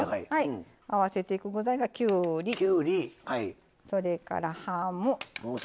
合わせていく具材がきゅうりそれからハム。